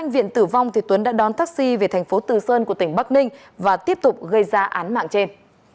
viện tử vong tuấn đã đón taxi về thành phố từ sơn của tỉnh bắc ninh và tiếp tục gây ra án mạng trên